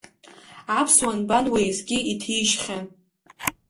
Аԥсуа нбан уеизгьы иҭижьхьан.